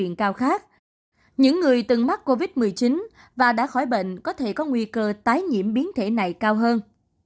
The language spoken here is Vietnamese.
những người từng mắc covid một mươi chín và đã khỏi bệnh có thể có nguy cơ tái nhiễm biến thể này cao hơn